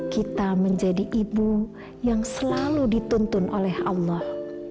kita menjadi ibu yang selalu dituntun oleh allah